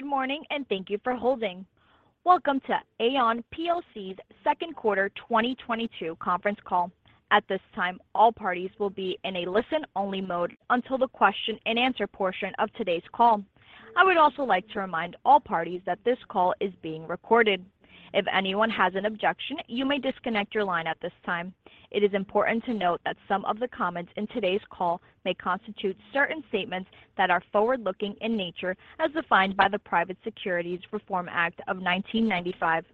Good morning and thank you for holding. Welcome to Aon plc's Second Quarter 2022 Conference Call. At this time, all parties will be in a listen-only mode until the question-and-answer portion of today's call. I would also like to remind all parties that this call is being recorded. If anyone has an objection, you may disconnect your line at this time. It is important to note that some of the comments in today's call may constitute certain statements that are forward-looking in nature as defined by the Private Securities Litigation Reform Act of 1995.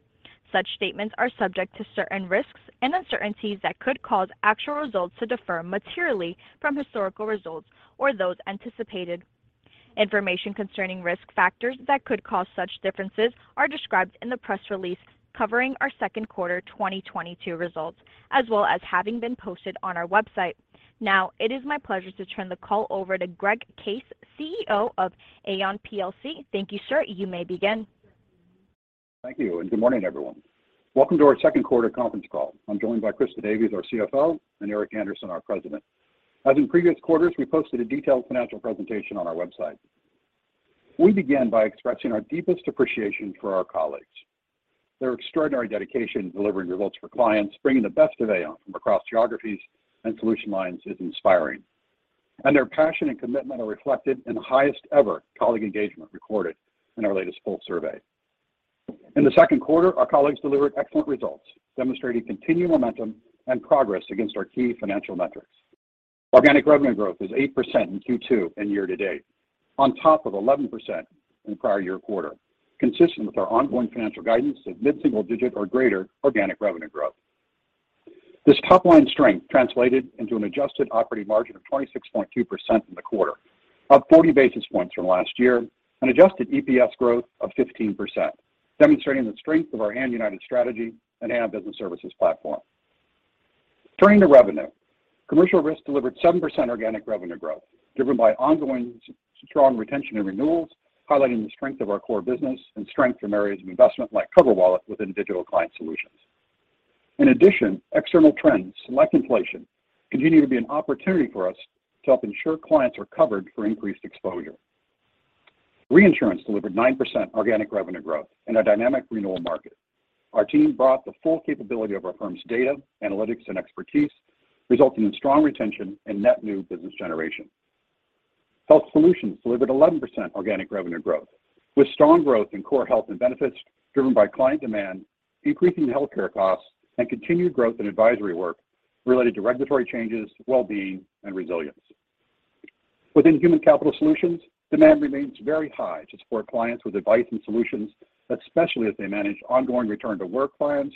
Such statements are subject to certain risks and uncertainties that could cause actual results to differ materially from historical results or those anticipated. Information concerning risk factors that could cause such differences are described in the press release covering our second quarter 2022 results, as well as having been posted on our website. Now, it is my pleasure to turn the call over to Greg Case, CEO of Aon plc. Thank you, sir. You may begin. Thank you, and good morning, everyone. Welcome to our Second Quarter Conference Call. I'm joined by Christa Davies, our CFO, and Eric Andersen, our President. As in previous quarters, we posted a detailed financial presentation on our website. We begin by expressing our deepest appreciation for our colleagues. Their extraordinary dedication in delivering results for clients, bringing the best of Aon from across geographies and solution lines is inspiring, and their passion and commitment are reflected in the highest ever colleague engagement recorded in our latest poll survey. In the second quarter, our colleagues delivered excellent results, demonstrating continued momentum and progress against our key financial metrics. Organic revenue growth is 8% in Q2 and year-to-date, on top of 11% in the prior year quarter, consistent with our ongoing financial guidance of mid-single digit or greater organic revenue growth. This top-line strength translated into an adjusted operating margin of 26.2% in the quarter, up 40 basis points from last year, and adjusted EPS growth of 15%, demonstrating the strength of our Aon United strategy and Aon Business Services platform. Turning to revenue, Commercial Risk delivered 7% organic revenue growth, driven by ongoing strong retention and renewals, highlighting the strength of our core business and strength from areas of investment like CoverWallet within Digital Client Solutions. In addition, external trends like inflation continue to be an opportunity for us to help ensure clients are covered for increased exposure. Reinsurance delivered 9% organic revenue growth in a dynamic renewal market. Our team brought the full capability of our firm's data, analytics, and expertise, resulting in strong retention and net new business generation. Health Solutions delivered 11% organic revenue growth, with strong growth in core health and benefits driven by client demand, increasing healthcare costs, and continued growth in advisory work related to regulatory changes, well-being, and resilience. Within Human Capital Solutions, demand remains very high to support clients with advice and solutions, especially as they manage ongoing return-to-work clients,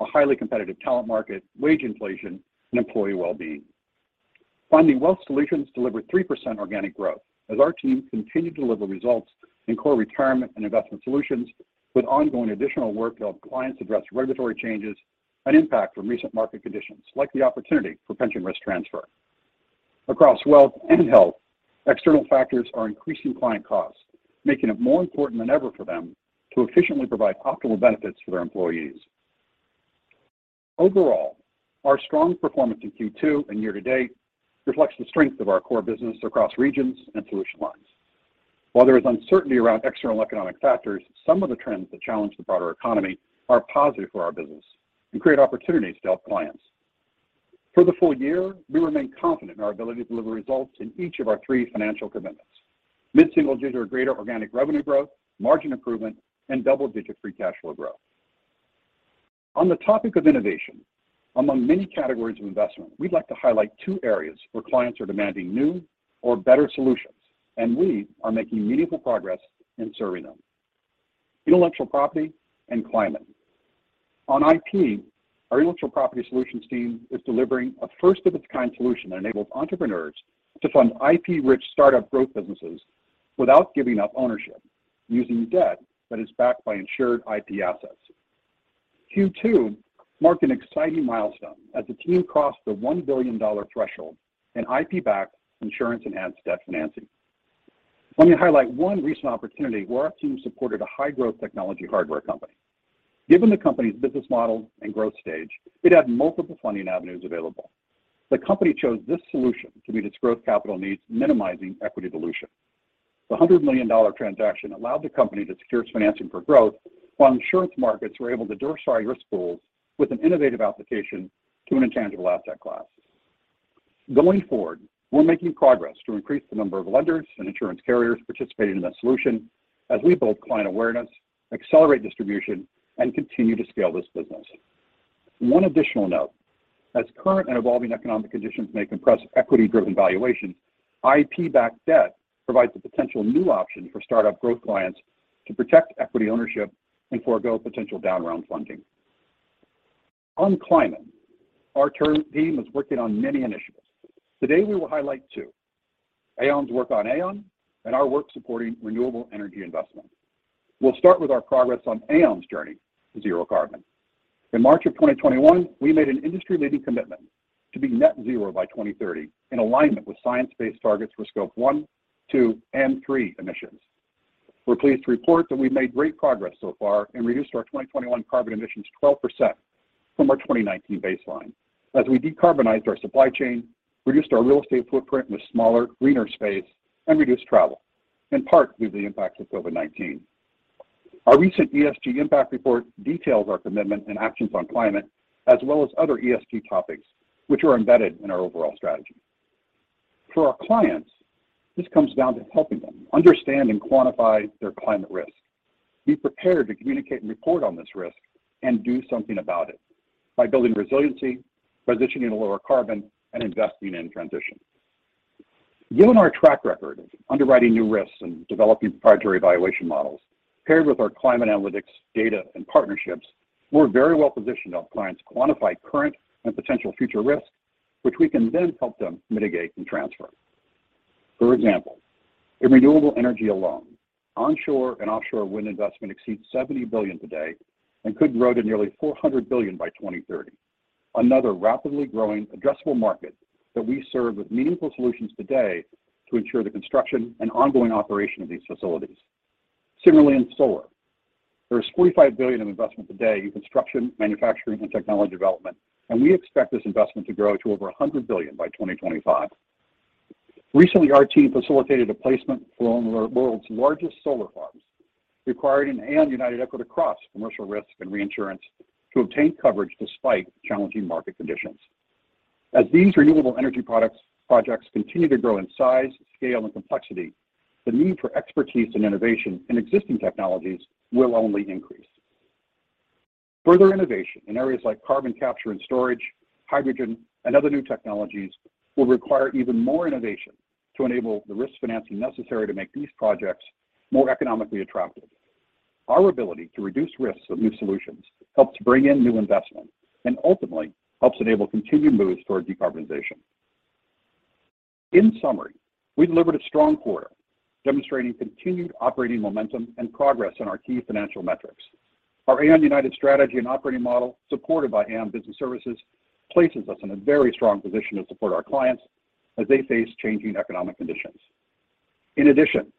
a highly competitive talent market, wage inflation, and employee well-being. Finally, Wealth Solutions delivered 3% organic growth as our team continued to deliver results in core retirement and investment solutions with ongoing additional work to help clients address regulatory changes and impact from recent market conditions like the opportunity for pension risk transfer. Across wealth and health, external factors are increasing client costs, making it more important than ever for them to efficiently provide optimal benefits for their employees. Overall, our strong performance in Q2 and year-to-date reflects the strength of our core business across regions and solution lines. While there is uncertainty around external economic factors, some of the trends that challenge the broader economy are positive for our business and create opportunities to help clients. For the full year, we remain confident in our ability to deliver results in each of our three financial commitments, mid-single digit or greater organic revenue growth, margin improvement, and double-digit free cash flow growth. On the topic of innovation, among many categories of investment, we'd like to highlight two areas where clients are demanding new or better solutions, and we are making meaningful progress in serving them, intellectual property and climate. On IP, our Intellectual Property Solutions team is delivering a first-of-its-kind solution that enables entrepreneurs to fund IP-rich startup growth businesses without giving up ownership, using debt that is backed by insured IP assets. Q2 marked an exciting milestone as the team crossed the $1 billion threshold in IP-backed insurance-enhanced debt financing. Let me highlight one recent opportunity where our team supported a high-growth technology hardware company. Given the company's business model and growth stage, it had multiple funding avenues available. The company chose this solution to meet its growth capital needs, minimizing equity dilution. The $100 million transaction allowed the company to secure financing for growth, while insurance markets were able to diversify risk pools with an innovative application to an intangible asset class. Going forward, we're making progress to increase the number of lenders and insurance carriers participating in that solution as we build client awareness, accelerate distribution, and continue to scale this business. One additional note, as current and evolving economic conditions may compress equity-driven valuations, IP-backed debt provides a potential new option for startup growth clients to protect equity ownership and forego potential down round funding. On climate, our term team is working on many initiatives. Today, we will highlight two, Aon's work on Aon and our work supporting renewable energy investment. We'll start with our progress on Aon's journey to zero carbon. In March 2021, we made an industry-leading commitment to be net zero by 2030 in alignment with science-based targets for scope 1, 2, and 3 emissions. We're pleased to report that we've made great progress so far and reduced our 2021 carbon emissions 12% from our 2019 baseline as we decarbonized our supply chain, reduced our real estate footprint with smaller, greener space and reduced travel in part due to the impacts of COVID-19. Our recent ESG impact report details our commitment and actions on climate as well as other ESG topics which are embedded in our overall strategy. For our clients, this comes down to helping them understand and quantify their climate risk, be prepared to communicate and report on this risk and do something about it by building resiliency, positioning to lower carbon and investing in transition. Given our track record of underwriting new risks and developing proprietary evaluation models paired with our climate analytics data and partnerships, we're very well positioned to help clients quantify current and potential future risks which we can then help them mitigate and transfer. For example, in renewable energy alone, onshore and offshore wind investment exceeds $70 billion today and could grow to nearly $400 billion by 2030. Another rapidly growing addressable market that we serve with meaningful solutions today to ensure the construction and ongoing operation of these facilities. Similarly, in solar, there is $45 billion in investment today in construction, manufacturing and technology development, and we expect this investment to grow to over $100 billion by 2025. Recently, our team facilitated a placement for one of the world's largest solar farms, requiring Aon United equity to cross Commercial Risk and Reinsurance to obtain coverage despite challenging market conditions. As these renewable energy projects continue to grow in size, scale and complexity, the need for expertise and innovation in existing technologies will only increase. Further innovation in areas like carbon capture and storage, hydrogen and other new technologies will require even more innovation to enable the risk financing necessary to make these projects more economically attractive. Our ability to reduce risks of new solutions helps bring in new investment and ultimately helps enable continued moves toward decarbonization. In summary, we delivered a strong quarter demonstrating continued operating momentum and progress in our key financial metrics. Our Aon United strategy and operating model, supported by Aon Business Services, places us in a very strong position to support our clients as they face changing economic conditions. In addition,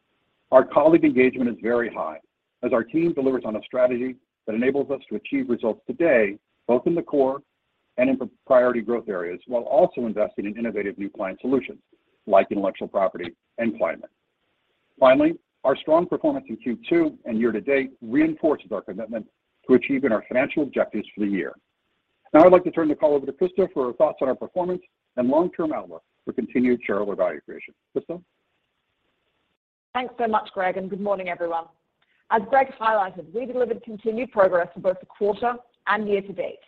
our colleague engagement is very high as our team delivers on a strategy that enables us to achieve results today, both in the core and in priority growth areas, while also investing in innovative new client solutions like intellectual property and climate. Finally, our strong performance in Q2 and year-to-date reinforces our commitment to achieving our financial objectives for the year. Now I'd like to turn the call over to Christa for her thoughts on our performance and long-term outlook for continued shareholder value creation. Christa? Thanks so much, Greg, and good morning, everyone. As Greg highlighted, we delivered continued progress for both the quarter and year-to-date.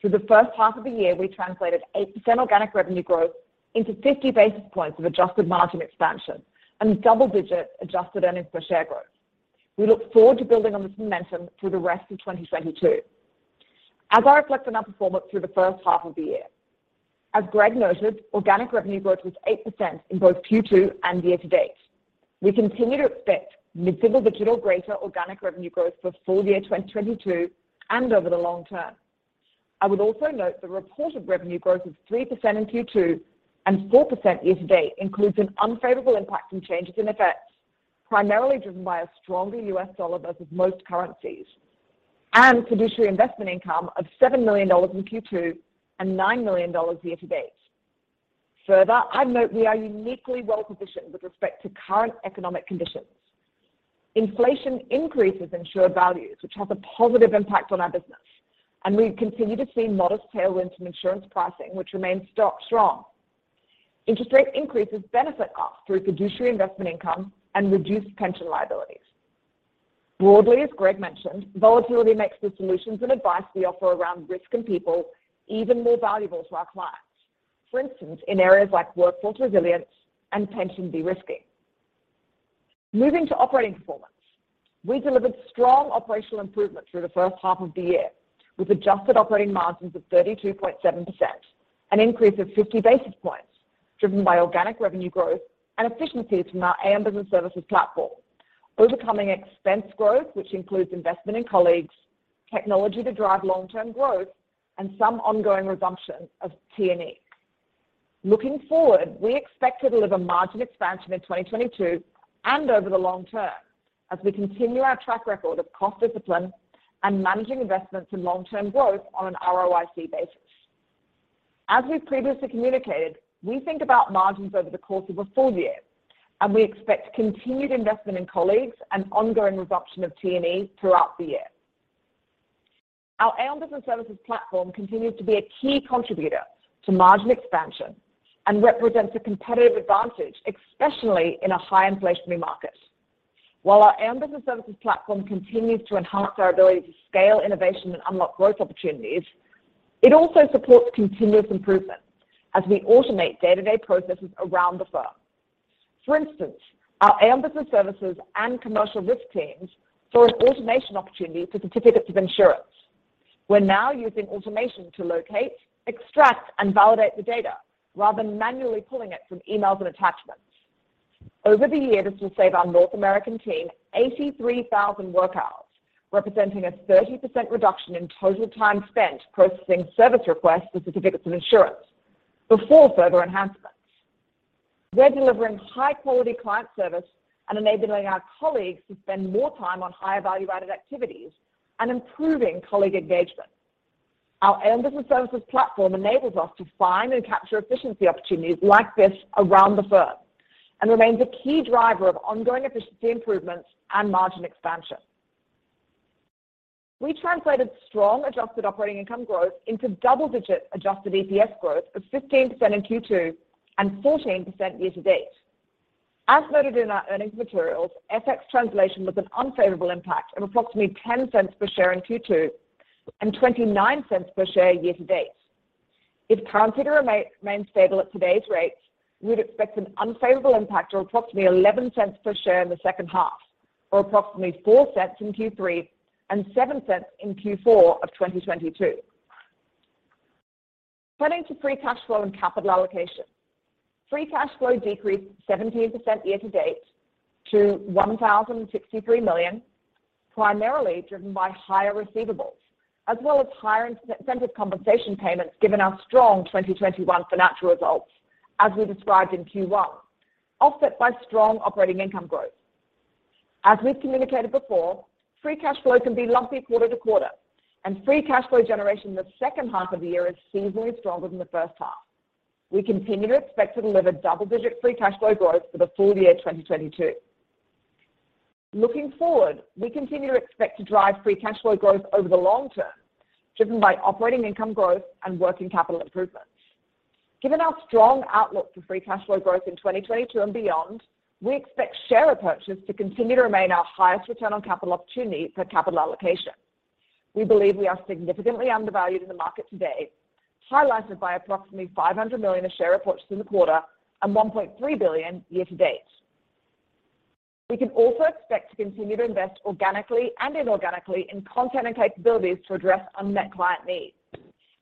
Through the first half of the year, we translated 8% organic revenue growth into 50 basis points of adjusted margin expansion and double-digit adjusted earnings per share growth. We look forward to building on this momentum through the rest of 2022. As I reflect on our performance through the first half of the year, as Greg noted, organic revenue growth was 8% in both Q2 and year-to-date. We continue to expect mid-single digit or greater organic revenue growth for full year 2022 and over the long term. I would also note the reported revenue growth of 3% in Q2 and 4% year-to-date includes an unfavorable impact from changes in effects, primarily driven by a stronger U.S. dollar versus most currencies and fiduciary investment income of $7 million in Q2 and $9 million year-to-date. Further, I'd note we are uniquely well positioned with respect to current economic conditions. Inflation increases insured values, which has a positive impact on our business, and we continue to see modest tailwinds from insurance pricing, which remains strong. Interest rate increases benefit us through fiduciary investment income and reduced pension liabilities. Broadly, as Greg mentioned, volatility makes the solutions and advice we offer around risk and people even more valuable to our clients. For instance, in areas like workforce resilience and pension de-risking. Moving to operating performance. We delivered strong operational improvement through the first half of the year with adjusted operating margins of 32.7%, an increase of 50 basis points driven by organic revenue growth and efficiencies from our Aon Business Services platform, overcoming expense growth, which includes investment in colleagues, technology to drive long-term growth and some ongoing reduction of T&E. Looking forward, we expect to deliver margin expansion in 2022 and over the long term as we continue our track record of cost discipline and managing investments in long-term growth on an ROIC basis. We've previously communicated, we think about margins over the course of a full year, and we expect continued investment in colleagues and ongoing reduction of T&E throughout the year. Our Aon Business Services platform continues to be a key contributor to margin expansion and represents a competitive advantage, especially in a high inflationary market. While our Aon Business Services platform continues to enhance our ability to scale innovation and unlock growth opportunities, it also supports continuous improvement as we automate day-to-day processes around the firm. For instance, our Aon Business Services and Commercial Risk teams saw an automation opportunity for certificates of insurance. We're now using automation to locate, extract and validate the data rather than manually pulling it from emails and attachments. Over the year, this will save our North American team 83,000 work hours, representing a 30% reduction in total time spent processing service requests for certificates of insurance before further enhancements. We're delivering high-quality client service and enabling our colleagues to spend more time on higher value-added activities and improving colleague engagement. Our Aon Business Services platform enables us to find and capture efficiency opportunities like this around the firm and remains a key driver of ongoing efficiency improvements and margin expansion. We translated strong adjusted operating income growth into double-digit adjusted EPS growth of 15% in Q2 and 14% year-to-date. As noted in our earnings materials, FX translation was an unfavorable impact of approximately $0.10 per share in Q2 and $0.29 per share year-to-date. If currency were to remain stable at today's rates, we would expect an unfavorable impact of approximately $0.11 per share in the second half or approximately $0.04 in Q3 and $0.07 in Q4 of 2022. Turning to free cash flow and capital allocation. Free cash flow decreased 17% year-to-date to $1,063 million, primarily driven by higher receivables as well as higher incentive compensation payments given our strong 2021 financial results as we described in Q1, offset by strong operating income growth. We've communicated before, free cash flow can be lumpy quarter to quarter, and free cash flow generation in the second half of the year is seasonally stronger than the first half. We continue to expect to deliver double-digit free cash flow growth for the full year 2022. Looking forward, we continue to expect to drive free cash flow growth over the long term, driven by operating income growth and working capital improvements. Given our strong outlook for free cash flow growth in 2022 and beyond, we expect share repurchases to continue to remain our highest return on capital opportunity for capital allocation. We believe we are significantly undervalued in the market today, highlighted by approximately $500 million of share repurchases in the quarter and $1.3 billion year-to-date. We can also expect to continue to invest organically and inorganically in content and capabilities to address unmet client needs.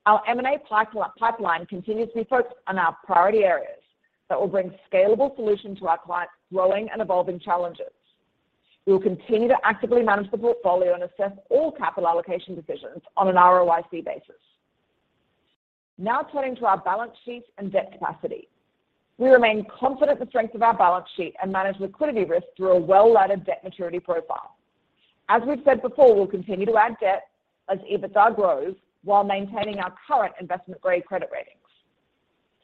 Our M&A pipeline continues to be focused on our priority areas that will bring scalable solutions to our clients' growing and evolving challenges. We will continue to actively manage the portfolio and assess all capital allocation decisions on an ROIC basis. Now turning to our balance sheet and debt capacity. We remain confident in the strength of our balance sheet and manage liquidity risk through a well-laddered debt maturity profile. As we've said before, we'll continue to add debt as EBITDA grows while maintaining our current investment-grade credit ratings.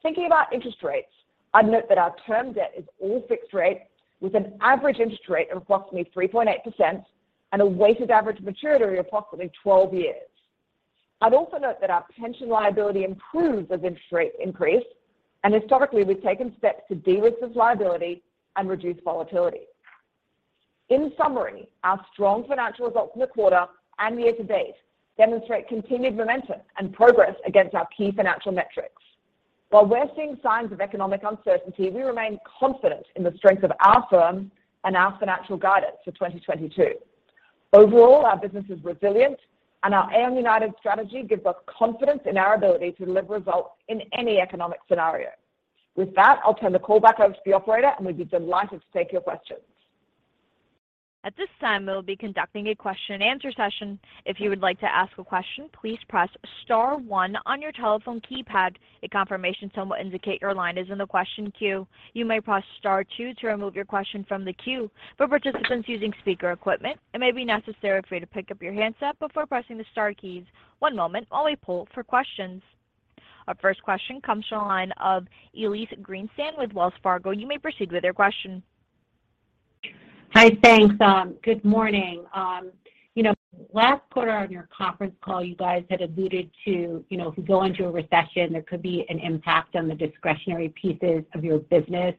Thinking about interest rates, I'd note that our term debt is all fixed rate with an average interest rate of approximately 3.8% and a weighted average maturity of approximately 12 years. I'd also note that our pension liability improves as interest rates increase, and historically, we've taken steps to derisk this liability and reduce volatility. In summary, our strong financial results in the quarter and year-to-date demonstrate continued momentum and progress against our key financial metrics. While we're seeing signs of economic uncertainty, we remain confident in the strength of our firm and our financial guidance for 2022. Overall, our business is resilient, and our Aon United strategy gives us confidence in our ability to deliver results in any economic scenario. With that, I'll turn the call back over to the operator, and we'd be delighted to take your questions. At this time, we will be conducting a question-and-answer session. If you would like to ask a question, please press star one on your telephone keypad. A confirmation tone will indicate your line is in the question queue. You may press star two to remove your question from the queue. For participants using speaker equipment, it may be necessary for you to pick up your handset before pressing the star keys. One moment while we poll for questions. Our first question comes from the line of Elyse Greenspan with Wells Fargo. You may proceed with your question. Hi, thanks. Good morning. You know, last quarter on your conference call, you guys had alluded to, you know, if we go into a recession, there could be an impact on the discretionary pieces of your business,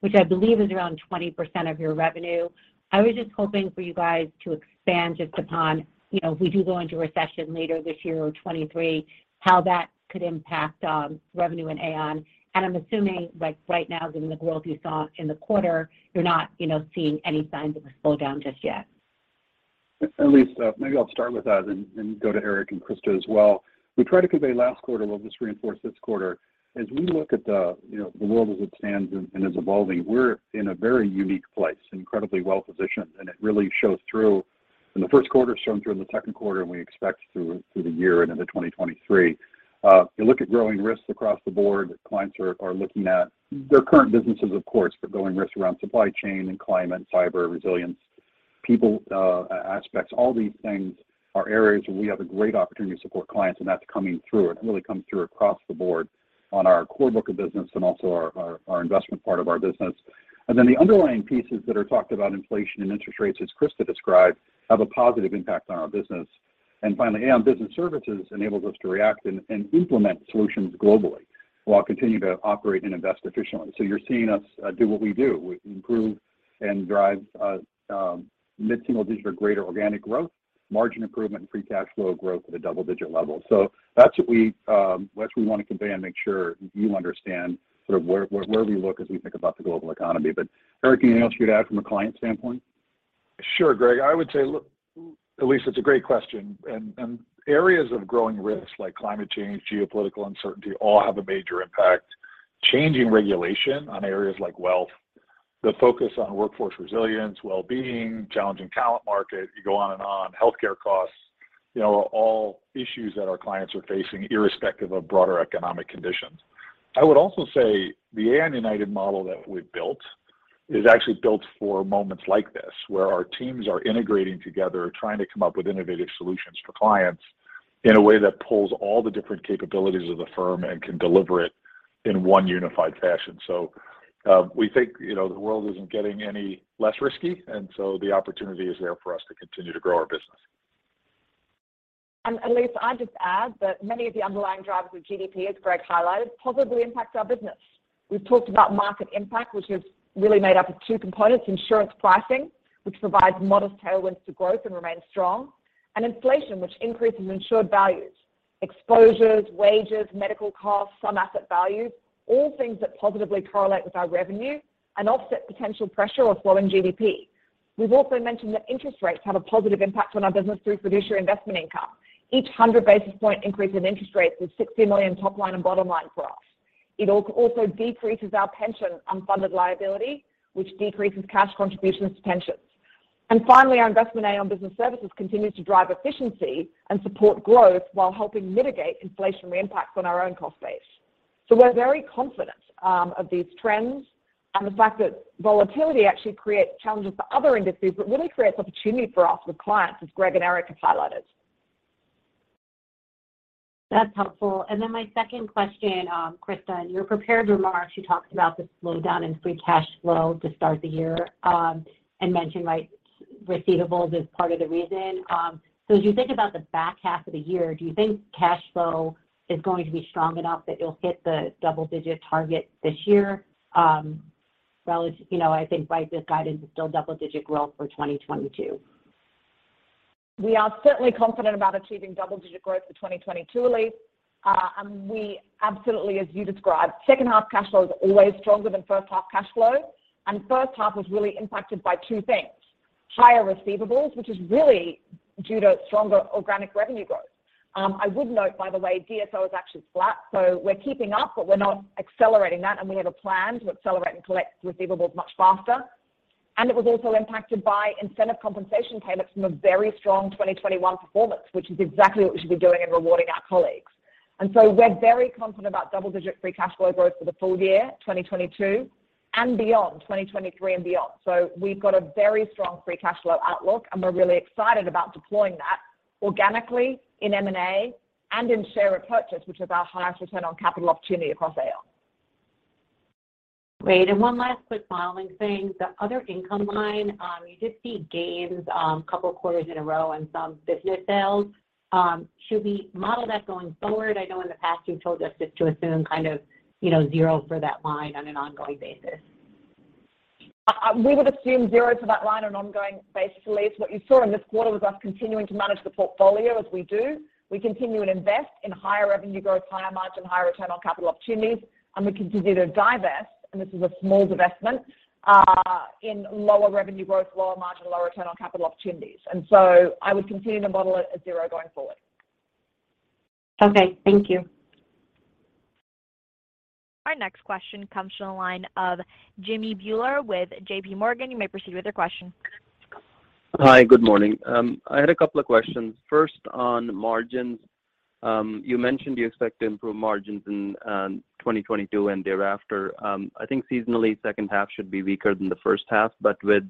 which I believe is around 20% of your revenue. I was just hoping for you guys to expand just upon, you know, if we do go into a recession later this year or 2023, how that could impact revenue in Aon. I'm assuming, like, right now, given the growth you saw in the quarter, you're not, you know, seeing any signs of a slowdown just yet. Elyse, maybe I'll start with that and go to Eric and Christa as well. We tried to convey last quarter, we'll just reinforce this quarter. As we look at the world as it stands and is evolving, we're in a very unique place, incredibly well-positioned, and it really shows through in the first quarter, shown through in the second quarter, and we expect through the year and into 2023. You look at growing risks across the board. Clients are looking at their current businesses of course, but growing risks around supply chain and climate, cyber resilience, people, aspects. All these things are areas where we have a great opportunity to support clients, and that's coming through. It really comes through across the board on our core book of business and also our investment part of our business. Then the underlying pieces that are talked about inflation and interest rates, as Christa described, have a positive impact on our business. Finally, Aon Business Services enables us to react and implement solutions globally while continuing to operate and invest efficiently. You're seeing us do what we do. We improve and drive mid-single-digit or greater organic growth, margin improvement, and free cash flow growth at a double-digit level. That's what we want to convey and make sure you understand sort of where we look as we think about the global economy. Eric, anything else you'd add from a client standpoint? Sure, Greg. I would say, look, Elyse, it's a great question, and areas of growing risks like climate change, geopolitical uncertainty, all have a major impact. Changing regulation on areas like wealth. The focus on workforce resilience, well-being, challenging talent market, you go on and on, healthcare costs, you know, are all issues that our clients are facing irrespective of broader economic conditions. I would also say the Aon United model that we've built is actually built for moments like this, where our teams are integrating together, trying to come up with innovative solutions for clients in a way that pulls all the different capabilities of the firm and can deliver it in one unified fashion. We think, you know, the world isn't getting any less risky, and so the opportunity is there for us to continue to grow our business. Elyse, I'd just add that many of the underlying drivers of GDP, as Greg highlighted, positively impact our business. We've talked about market impact, which is really made up of two components, insurance pricing, which provides modest tailwinds to growth and remains strong, and inflation, which increases insured values. Exposures, wages, medical costs, some asset values, all things that positively correlate with our revenue and offset potential pressure of slowing GDP. We've also mentioned that interest rates have a positive impact on our business through fiduciary investment income. Each 100 basis point increase in interest rates is $60 million top line and bottom line for us. It also decreases our pension unfunded liability, which decreases cash contributions to pensions. Finally, our investment in Aon Business Services continues to drive efficiency and support growth while helping mitigate inflationary impacts on our own cost base. We're very confident of these trends and the fact that volatility actually creates challenges for other industries, but really creates opportunity for us with clients, as Greg and Eric have highlighted. That's helpful. My second question, Christa, your prepared remarks, you talked about the slowdown in free cash flow to start the year, and mentioned net receivables as part of the reason. As you think about the back half of the year, do you think cash flow is going to be strong enough that you'll hit the double-digit target this year, relative to, you know, the guide, this guidance is still double-digit growth for 2022. We are certainly confident about achieving double-digit growth for 2022, Elyse. We absolutely, as you described, second half cash flow is always stronger than first half cash flow. First half was really impacted by two things. Higher receivables, which is really due to stronger organic revenue growth. I would note, by the way, DSO is actually flat, so we're keeping up, but we're not accelerating that, and we have a plan to accelerate and collect receivables much faster. It was also impacted by incentive compensation payments from a very strong 2021 performance, which is exactly what we should be doing in rewarding our colleagues. We're very confident about double-digit free cash flow growth for the full year, 2022, and beyond, 2023 and beyond. We've got a very strong free cash flow outlook, and we're really excited about deploying that organically in M&A and in share repurchase, which is our highest return on capital opportunity across Aon. Great. One last quick modeling thing. The other income line, you did see gains, a couple of quarters in a row on some business sales. Should we model that going forward? I know in the past you've told us just to assume kind of, you know, zero for that line on an ongoing basis. We would assume zero for that line on an ongoing basis, Elyse. What you saw in this quarter was us continuing to manage the portfolio as we do. We continue to invest in higher revenue growth, higher margin, higher return on capital opportunities, and we continue to divest, and this is a small divestment, in lower revenue growth, lower margin, lower return on capital opportunities. I would continue to model it at zero going forward. Okay. Thank you. Our next question comes from the line of Jimmy Bhullar with JPMorgan. You may proceed with your question. Hi, good morning. I had a couple of questions. First, on margins. You mentioned you expect to improve margins in 2022 and thereafter. I think seasonally, second half should be weaker than the first half, but do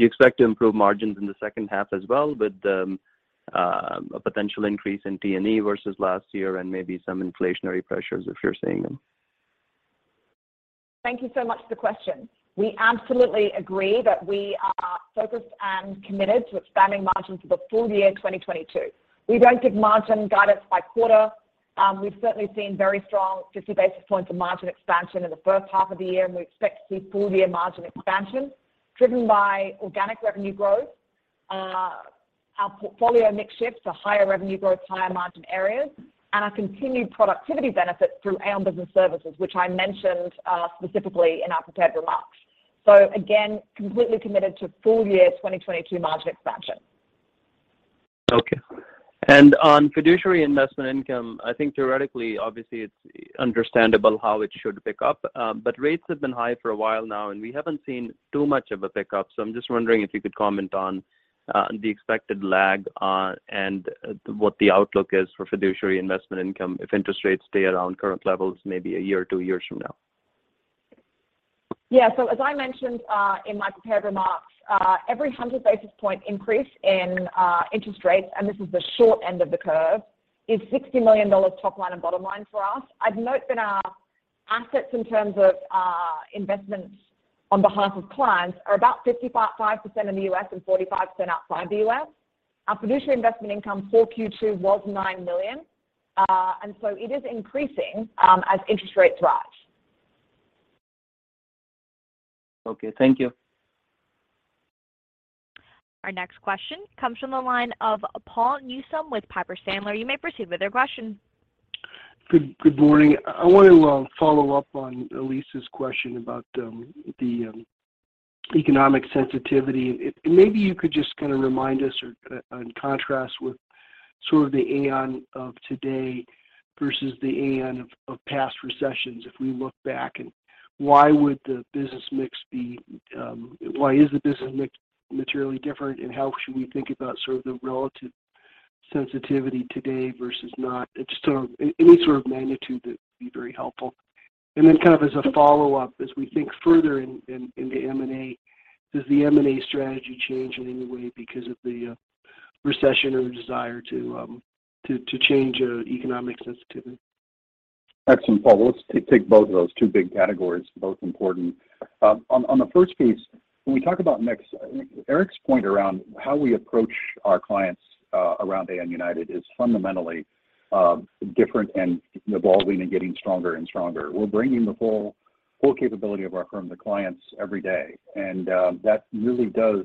you expect to improve margins in the second half as well with a potential increase in T&E versus last year and maybe some inflationary pressures if you're seeing them? Thank you so much for the question. We absolutely agree that we are focused and committed to expanding margins for the full year 2022. We don't give margin guidance by quarter. We've certainly seen very strong 50 basis points of margin expansion in the first half of the year, and we expect to see full year margin expansion driven by organic revenue growth, our portfolio mix shift to higher revenue growth, higher margin areas, and our continued productivity benefits through Aon Business Services, which I mentioned, specifically in our prepared remarks. Again, completely committed to full year 2022 margin expansion. Okay. On fiduciary investment income, I think theoretically, obviously it's understandable how it should pick up. But rates have been high for a while now, and we haven't seen too much of a pickup. I'm just wondering if you could comment on the expected lag, and what the outlook is for fiduciary investment income if interest rates stay around current levels maybe a year or two years from now. As I mentioned, in my prepared remarks, every 100 basis point increase in interest rates, and this is the short end of the curve, is $60 million top line and bottom line for us. I'd note that our assets in terms of investments on behalf of clients are about 55% in the U.S. and 45% outside the U.S. Our fiduciary investment income for Q2 was $9 million. It is increasing as interest rates rise. Okay. Thank you. Our next question comes from the line of Paul Newsome with Piper Sandler. You may proceed with your question. Good morning. I wanted to follow up on Elyse's question about the economic sensitivity. Maybe you could just kind of remind us and contrast with sort of the Aon of today versus the Aon of past recessions, if we look back, and why is the business mix materially different, and how should we think about sort of the relative sensitivity today versus not. It's just sort of any sort of magnitude that would be very helpful. Kind of as a follow-up, as we think further into M&A, does the M&A strategy change in any way because of the recession or desire to change economic sensitivity? Excellent, Paul. Well, let's take both of those two big categories, both important. On the first piece, when we talk about mix, Eric's point around how we approach our clients around Aon United is fundamentally different and evolving and getting stronger and stronger. We're bringing the full capability of our firm to clients every day, and that really does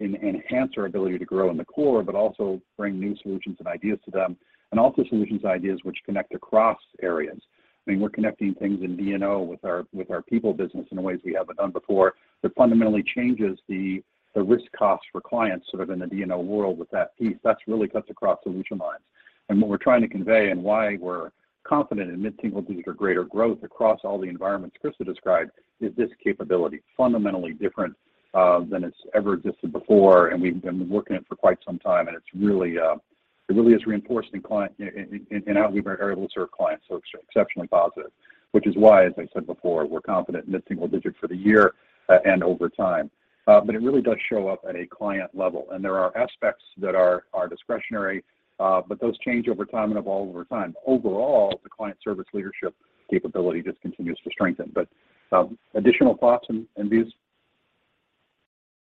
enhance our ability to grow in the core, but also bring new solutions and ideas to them, and also solutions and ideas which connect across areas. I mean, we're connecting things in D&O with our people business in ways we haven't done before that fundamentally changes the risk cost for clients sort of in the D&O world with that piece. That really cuts across solution lines. What we're trying to convey and why we're confident in mid-single-digit or greater growth across all the environments Christa described is this capability fundamentally different than it's ever existed before. We've been working it for quite some time, and it's really it really is reinforcing client in how we were able to serve clients. Exceptionally positive, which is why, as I said before, we're confident in mid-single-digit for the year and over time. It really does show up at a client level, and there are aspects that are discretionary, but those change over time and evolve over time. Overall, the client service leadership capability just continues to strengthen. Additional thoughts and views.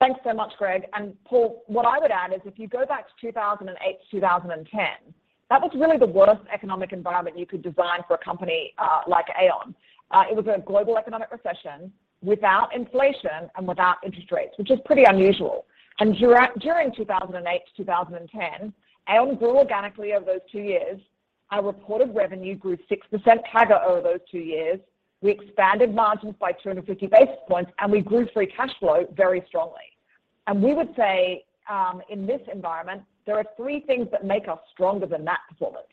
Thanks so much, Greg. Paul, what I would add is if you go back to 2008-2010, that was really the worst economic environment you could design for a company like Aon. It was a global economic recession without inflation and without interest rates, which is pretty unusual. During 2008-2010, Aon grew organically over those two years. Our reported revenue grew 6% CAGR over those two years. We expanded margins by 250 basis points, and we grew free cash flow very strongly. We would say in this environment, there are three things that make us stronger than that performance.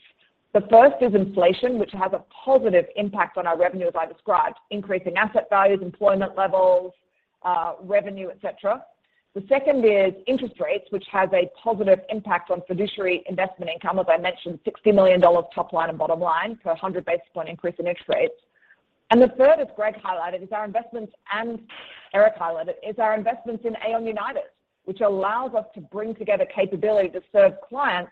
The first is inflation, which has a positive impact on our revenue, as I described, increasing asset values, employment levels, revenue, etc. The second is interest rates, which has a positive impact on fiduciary investment income. As I mentioned, $60 million top line and bottom line for a 100 basis point increase in interest rates. The third, as Greg highlighted, is our investments, and Eric highlighted, in Aon United, which allows us to bring together capability to serve clients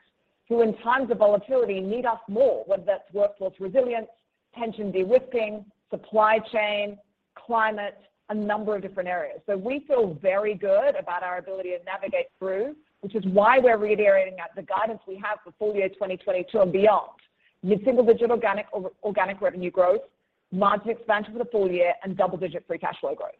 who in times of volatility need us more, whether that's workforce resilience, pension de-risking, supply chain, climate, a number of different areas. We feel very good about our ability to navigate through, which is why we're reiterating the guidance we have for full year 2022 and beyond. You have single-digit organic revenue growth, margin expansion for the full year, and double-digit free cash flow growth.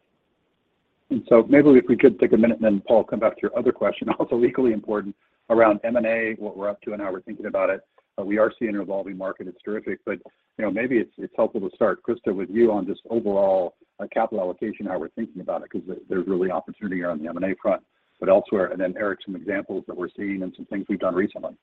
Maybe if we could take a minute and then Paul, come back to your other question, also legally important around M&A, what we're up to and how we're thinking about it. We are seeing an evolving market. It's terrific. You know, maybe it's helpful to start, Christa, with you on just overall capital allocation, how we're thinking about it, 'cause there's really opportunity around the M&A front, but elsewhere. Then Eric, some examples that we're seeing and some things we've done recently.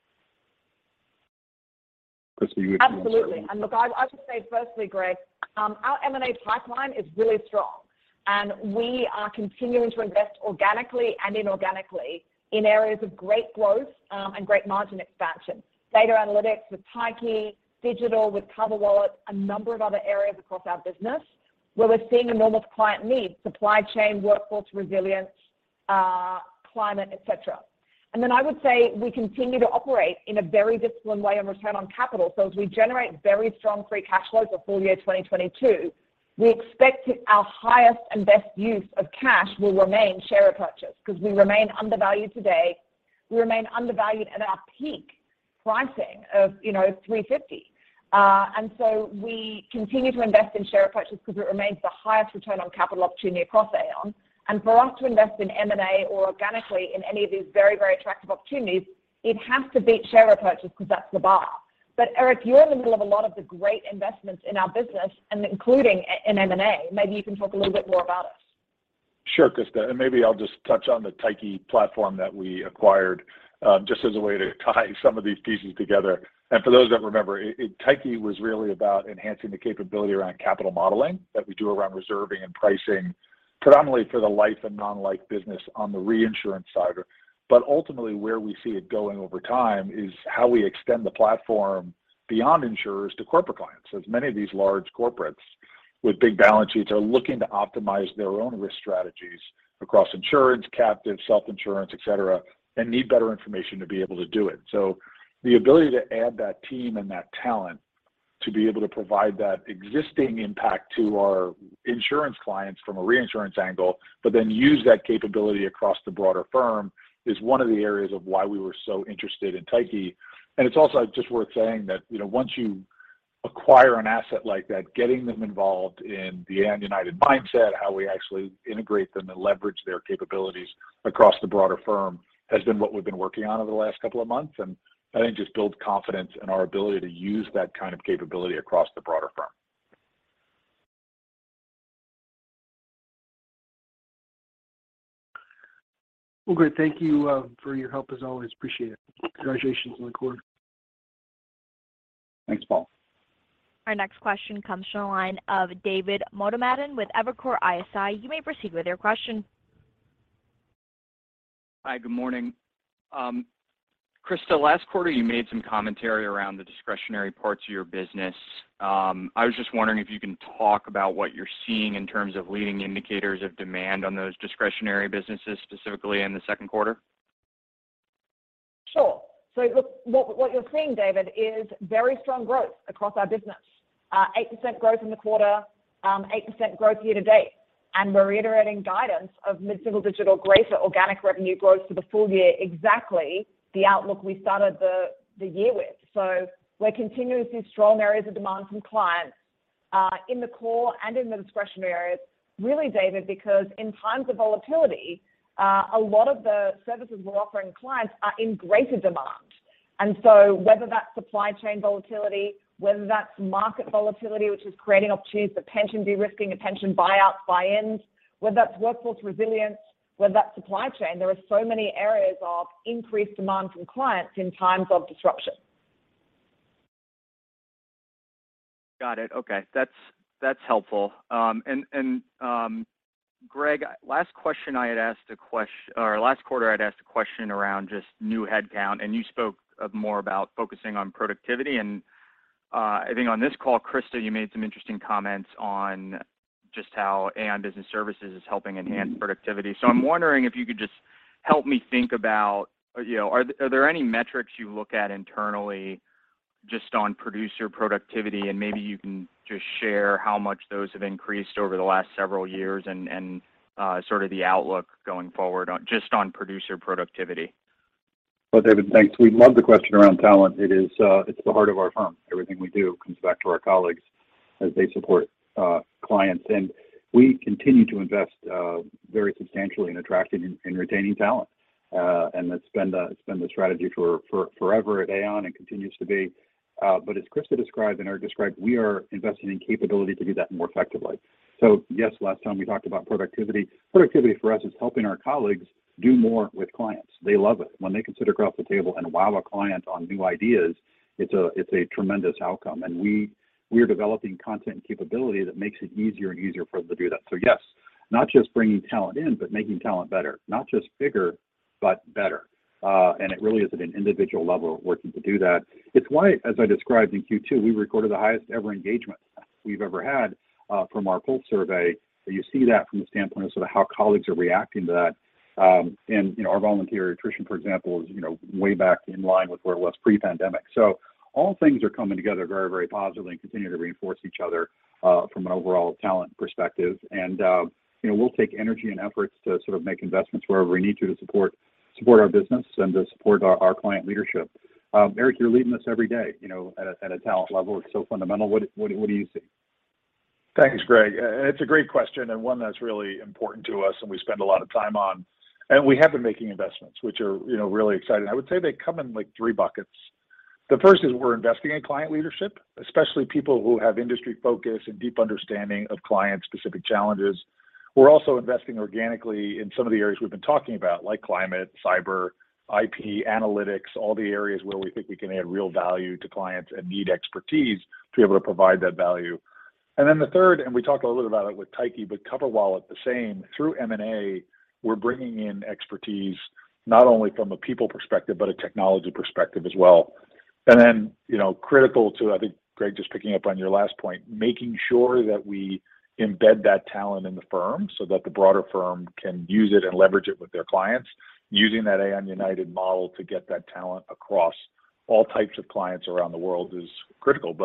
Christa, you- Absolutely. Look, I would say firstly, Greg, our M&A pipeline is really strong, and we are continuing to invest organically and inorganically in areas of great growth, and great margin expansion. Data analytics with Tyche, digital with CoverWallet, a number of other areas across our business where we're seeing enormous client needs, supply chain, workforce resilience, climate, et cetera. Then I would say we continue to operate in a very disciplined way on return on capital. As we generate very strong free cash flows for full year 2022, we expect our highest and best use of cash will remain share repurchase because we remain undervalued today. We remain undervalued at our peak pricing of, you know, $350. We continue to invest in share repurchase because it remains the highest return on capital opportunity across Aon. For us to invest in M&A or organically in any of these very, very attractive opportunities, it has to beat share repurchase because that's the bar. Eric, you're in the middle of a lot of the great investments in our business and including in M&A. Maybe you can talk a little bit more about it. Sure, Christa, and maybe I'll just touch on the Tyche platform that we acquired just as a way to tie some of these pieces together. For those that remember, it Tyche was really about enhancing the capability around capital modeling that we do around reserving and pricing predominantly for the life and non-life business on the reinsurance side. Ultimately, where we see it going over time is how we extend the platform beyond insurers to corporate clients. As many of these large corporates with big balance sheets are looking to optimize their own risk strategies across insurance, captive self-insurance, et cetera, and need better information to be able to do it. The ability to add that team and that talent to be able to provide that existing impact to our insurance clients from a reinsurance angle, but then use that capability across the broader firm is one of the areas of why we were so interested in Tyche. It's also just worth saying that, you know, once you acquire an asset like that, getting them involved in the Aon United mindset, how we actually integrate them and leverage their capabilities across the broader firm has been what we've been working on over the last couple of months, and I think just builds confidence in our ability to use that kind of capability across the broader firm. Well, great. Thank you for your help as always. Appreciate it. Congratulations on the quarter. Thanks, Paul. Our next question comes from the line of David Motemaden with Evercore ISI. You may proceed with your question. Hi, good morning. Christa, last quarter you made some commentary around the discretionary parts of your business. I was just wondering if you can talk about what you're seeing in terms of leading indicators of demand on those discretionary businesses, specifically in the second quarter. Sure. Look, what you're seeing, David, is very strong growth across our business. 8% growth in the quarter, 8% growth year-to-date. We're reiterating guidance of mid-single digit or greater organic revenue growth for the full year, exactly the outlook we started the year with. We're seeing consistently strong areas of demand from clients in the core and in the discretionary areas. Really, David, because in times of volatility, a lot of the services we're offering clients are in greater demand. Whether that's supply chain volatility, whether that's market volatility, which is creating opportunities for pension de-risking and pension buyouts, buy-ins, whether that's workforce resilience, whether that's supply chain, there are so many areas of increased demand from clients in times of disruption. Got it. Okay. That's helpful. Greg, last quarter I'd asked a question around just new headcount, and you spoke more about focusing on productivity. I think on this call, Christa, you made some interesting comments on just how Aon Business Services is helping enhance productivity. I'm wondering if you could just help me think about, you know, are there any metrics you look at internally just on producer productivity? Maybe you can just share how much those have increased over the last several years and sort of the outlook going forward on producer productivity. Well, David, thanks. We love the question around talent. It is, it's the heart of our firm. Everything we do comes back to our colleagues as they support clients. We continue to invest very substantially in attracting and retaining talent. It's been the strategy for forever at Aon and continues to be. As Christa described and Eric described, we are investing in capability to do that more effectively. Yes, last time we talked about productivity. Productivity for us is helping our colleagues do more with clients. They love it. When they can sit across the table and wow a client on new ideas, it's a tremendous outcome. We are developing content and capability that makes it easier and easier for them to do that. Yes, not just bringing talent in, but making talent better, not just bigger, but better. It really is at an individual level working to do that. It's why, as I described in Q2, we recorded the highest ever engagement we've ever had from our pulse survey. You see that from the standpoint of sort of how colleagues are reacting to that. You know, our voluntary attrition, for example, is you know way back in line with where it was pre-pandemic. All things are coming together very, very positively and continue to reinforce each other from an overall talent perspective. You know, we'll take energy and efforts to sort of make investments wherever we need to support our business and to support our client leadership. Eric, you're leading this every day, you know, at a talent level. It's so fundamental. What do you see? Thanks, Greg. It's a great question and one that's really important to us and we spend a lot of time on, and we have been making investments, which are, you know, really exciting. I would say they come in, like, three buckets. The first is we're investing in client leadership, especially people who have industry focus and deep understanding of client-specific challenges. We're also investing organically in some of the areas we've been talking about, like climate, cyber, IP, analytics, all the areas where we think we can add real value to clients and need expertise to be able to provide that value. Then the third, and we talked a little about it with Tyche, but CoverWallet the same, through M&A, we're bringing in expertise not only from a people perspective, but a technology perspective as well. You know, critical to, I think, Greg, just picking up on your last point, making sure that we embed that talent in the firm so that the broader firm can use it and leverage it with their clients. Using that Aon United model to get that talent across all types of clients around the world is critical.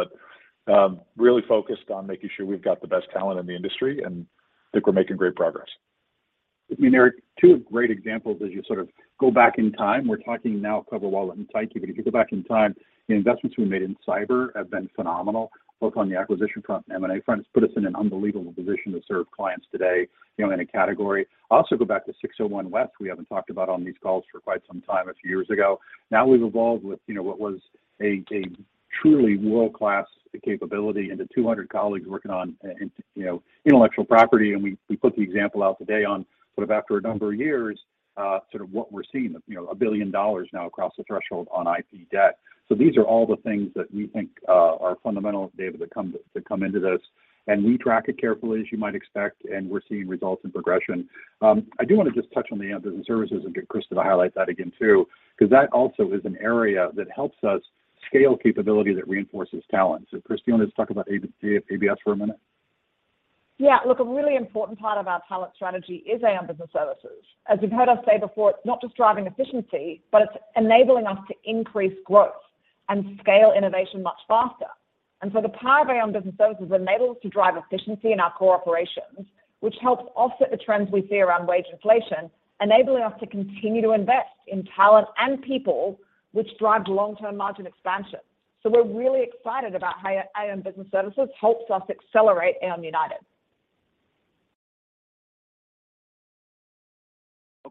Really focused on making sure we've got the best talent in the industry, and I think we're making great progress. I mean, Eric, two great examples as you sort of go back in time. We're talking now CoverWallet and Tyche, but if you go back in time, the investments we made in cyber have been phenomenal, both on the acquisition front and M&A front. It's put us in an unbelievable position to serve clients today, you know, in a category. Also go back to 601 W we haven't talked about on these calls for quite some time a few years ago. Now we've evolved with, you know, what was a truly world-class capability into 200 colleagues working on, you know, intellectual property. We put the example out today on sort of after a number of years, sort of what we're seeing, you know, $1 billion now across the threshold on IP debt. These are all the things that we think are fundamental, David, that come into this, and we track it carefully, as you might expect, and we're seeing results and progression. I do wanna just touch on the Aon Business Services and get Christa to highlight that again too, 'cause that also is an area that helps us scale capability that reinforces talent. Christa, you want to just talk about ABS for a minute? Yeah. Look, a really important part of our talent strategy is Aon Business Services. As you've heard us say before, it's not just driving efficiency, but it's enabling us to increase growth and scale innovation much faster. The power of Aon Business Services enables us to drive efficiency in our core operations, which helps offset the trends we see around wage inflation, enabling us to continue to invest in talent and people, which drives long-term margin expansion. We're really excited about how Aon Business Services helps us accelerate Aon United.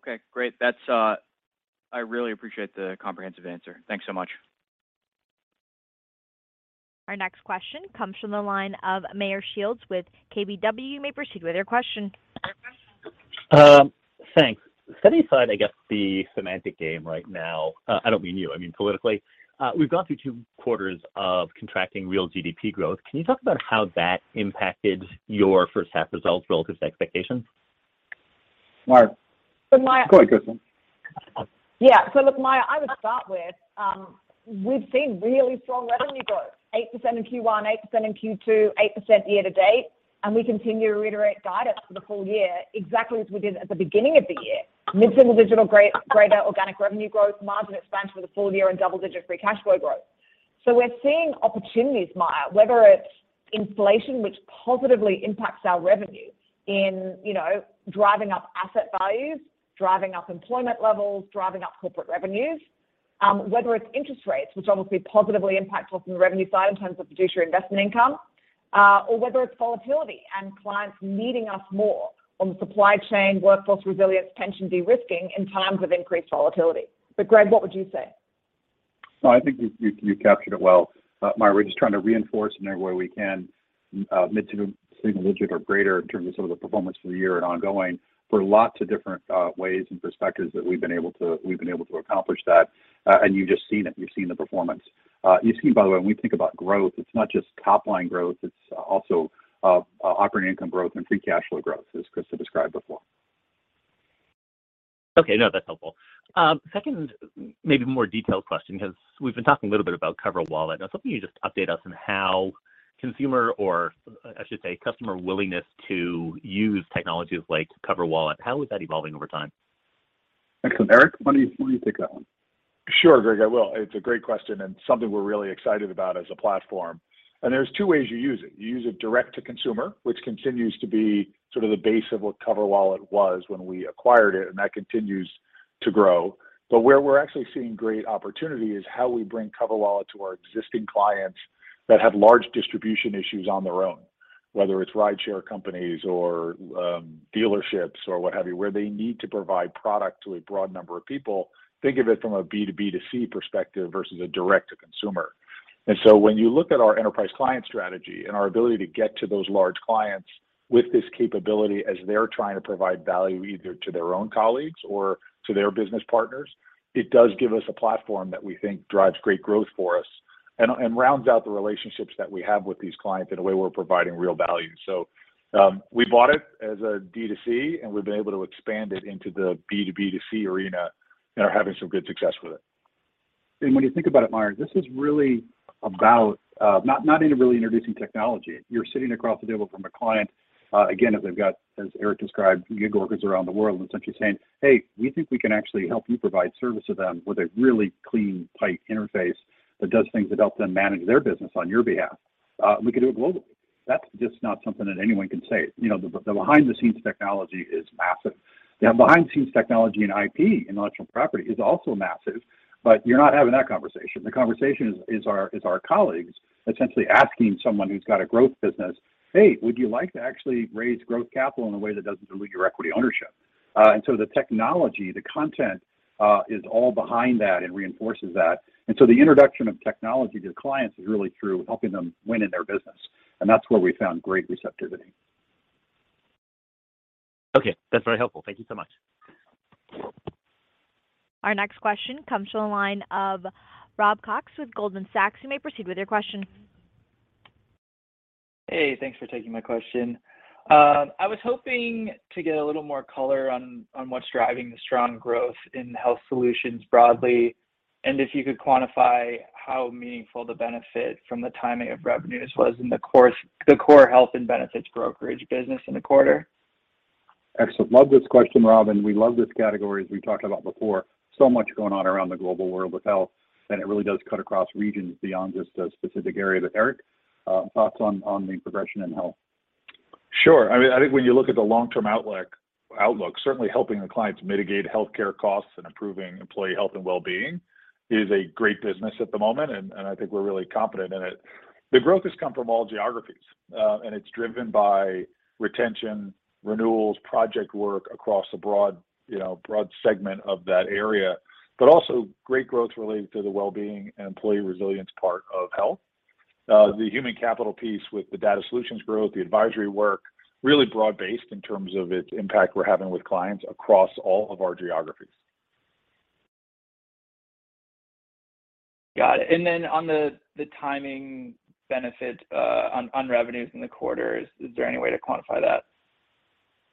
Okay, great. That's, I really appreciate the comprehensive answer. Thanks so much. Our next question comes from the line of Meyer Shields with KBW. You may proceed with your question. Thanks. Setting aside, I guess, the semantic game right now, I don't mean you, I mean politically, we've gone through two quarters of contracting real GDP growth. Can you talk about how that impacted your first half results relative to expectations? Meyer. Meyer Go ahead, Christa. Yeah. Look, Meyer, I would start with we've seen really strong revenue growth, 8% in Q1, 8% in Q2, 8% year-to-date, and we continue to reiterate guidance for the full year exactly as we did at the beginning of the year. Mid-single-digit or greater organic revenue growth, margin expansion for the full year, and double-digit free cash flow growth. We're seeing opportunities, Meyer, whether it's inflation which positively impacts our revenue in you know driving up asset values, driving up employment levels, driving up corporate revenues. Whether it's interest rates, which obviously positively impact us on the revenue side in terms of fiduciary investment income, or whether it's volatility and clients needing us more on supply chain, workforce resilience, pension de-risking in times of increased volatility. Greg, what would you say? No, I think you captured it well. Meyer, we're just trying to reinforce in every way we can, mid- to single-digit or greater in terms of some of the performance for the year and ongoing. There are lots of different ways and perspectives that we've been able to accomplish that, and you've just seen it. You've seen the performance. You've seen, by the way, when we think about growth, it's not just top line growth, it's also operating income growth and free cash flow growth, as Christa described before. Okay. No, that's helpful. Second, maybe more detailed question, 'cause we've been talking a little bit about CoverWallet. I was hoping you could just update us on how consumer, or I should say customer willingness to use technologies like CoverWallet, how is that evolving over time? Excellent. Eric, why don't you take that one? Sure, Greg, I will. It's a great question and something we're really excited about as a platform. There's two ways you use it. You use it direct to consumer, which continues to be sort of the base of what CoverWallet was when we acquired it, and that continues to grow. Where we're actually seeing great opportunity is how we bring CoverWallet to our existing clients that have large distribution issues on their own, whether it's rideshare companies or dealerships or what have you, where they need to provide product to a broad number of people. Think of it from a B2B2C perspective versus a direct to consumer. When you look at our enterprise client strategy and our ability to get to those large clients with this capability as they're trying to provide value either to their own colleagues or to their business partners, it does give us a platform that we think drives great growth for us and rounds out the relationships that we have with these clients in a way we're providing real value. We bought it as a D2C, and we've been able to expand it into the B2B2C arena and are having some good success with it. When you think about it, Meyer, this is really about not even really introducing technology. You're sitting across the table from a client, again, that they've got, as Eric described, gig workers around the world, and essentially saying, "Hey, we think we can actually help you provide service to them with a really clean pipe interface that does things that help them manage their business on your behalf. We can do it globally." That's just not something that anyone can say. You know, the behind the scenes technology is massive. The behind scenes technology and IP, intellectual property, is also massive, but you're not having that conversation. The conversation is our colleagues essentially asking someone who's got a growth business, "Hey, would you like to actually raise growth capital in a way that doesn't dilute your equity ownership?" The technology, the content, is all behind that and reinforces that. The introduction of technology to clients is really through helping them win in their business, and that's where we found great receptivity. Okay. That's very helpful. Thank you so much. Our next question comes from the line of Robert Cox with Goldman Sachs. You may proceed with your question. Hey, thanks for taking my question. I was hoping to get a little more color on what's driving the strong growth in Health Solutions broadly, and if you could quantify how meaningful the benefit from the timing of revenues was in the core health and benefits brokerage business in the quarter. Excellent. Love this question, Rob, and we love this category, as we've talked about before. So much going on around the global world with health, and it really does cut across regions beyond just a specific area. Eric, thoughts on the progression in health? Sure. I mean, I think when you look at the long-term outlook, certainly helping the clients mitigate healthcare costs and improving employee health and well-being is a great business at the moment, and I think we're really competent in it. The growth has come from all geographies, and it's driven by retention, renewals, project work across a broad, you know, broad segment of that area. Also great growth related to the well-being and employee resilience part of health. The human capital piece with the data solutions growth, the advisory work, really broad-based in terms of its impact we're having with clients across all of our geographies. Got it. On the timing benefit on revenues in the quarter, is there any way to quantify that?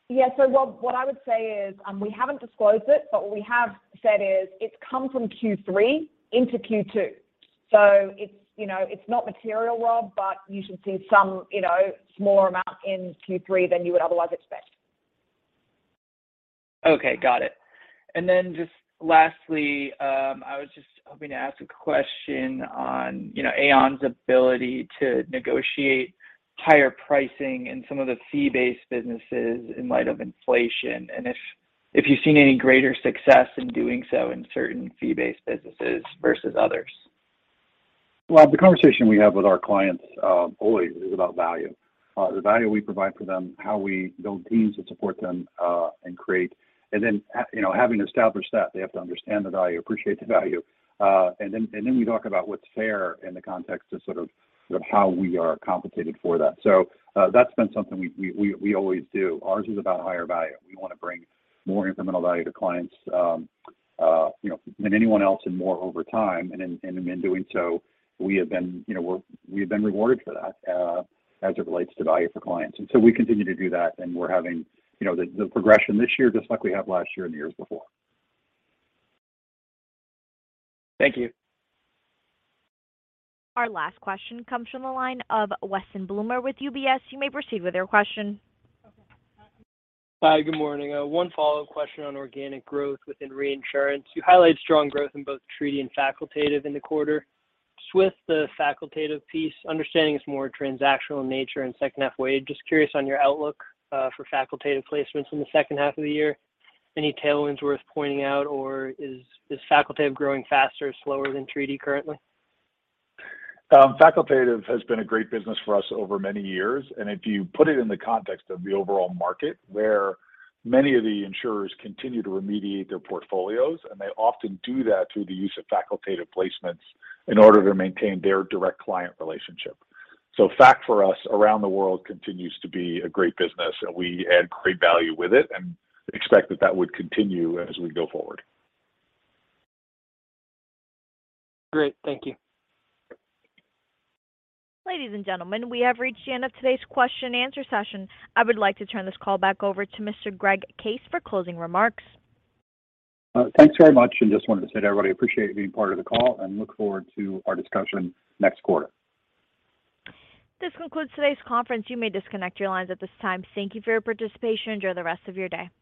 Yeah. Rob, what I would say is, we haven't disclosed it, but what we have said is it's come from Q3 into Q2. It's, you know, it's not material, Rob, but you should see some, you know, small amount in Q3 than you would otherwise expect. Okay. Got it. Then just lastly, I was just hoping to ask a question on, you know, Aon's ability to negotiate higher pricing in some of the fee-based businesses in light of inflation, and if you've seen any greater success in doing so in certain fee-based businesses versus others. Rob, the conversation we have with our clients always is about value. The value we provide for them, how we build teams that support them, and create. You know, having established that they have to understand the value, appreciate the value. We talk about what's fair in the context of sort of how we are compensated for that. That's been something we always do. Ours is about higher value. We wanna bring more incremental value to clients, you know, than anyone else and more over time. In doing so, we have been, you know, we have been rewarded for that, as it relates to value for clients. We continue to do that, and we're having, you know, the progression this year just like we have last year and the years before. Thank you. Our last question comes from the line of Weston Bloomer with UBS. You may proceed with your question. Hi, good morning. One follow-up question on organic growth within reinsurance. You highlight strong growth in both treaty and facultative in the quarter. With the facultative piece, understanding it's more transactional in nature in the second half. Yeah, just curious on your outlook for facultative placements in the second half of the year. Any tailwinds worth pointing out, or is facultative growing faster or slower than treaty currently? Facultative has been a great business for us over many years. If you put it in the context of the overall market, where many of the insurers continue to remediate their portfolios, and they often do that through the use of facultative placements in order to maintain their direct client relationship. Facultative for us around the world continues to be a great business, and we add great value with it and expect that would continue as we go forward. Great. Thank you. Ladies and gentlemen, we have reached the end of today's question and answer session. I would like to turn this call back over to Mr. Greg Case for closing remarks. Thanks very much, and just wanted to say to everybody, appreciate you being part of the call and look forward to our discussion next quarter. This concludes today's conference. You may disconnect your lines at this time. Thank you for your participation. Enjoy the rest of your day.